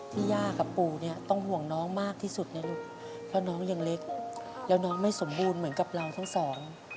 ย่ากับปู่เนี่ยต้องห่วงน้องมากที่สุดนะลูกเพราะน้องยังเล็กแล้วน้องไม่สมบูรณ์เหมือนกับเราทั้งสอง